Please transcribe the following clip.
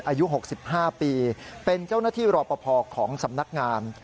อายุ๖๕ปีเป็นเจ้าหน้าที่รอปภของสำนักงาน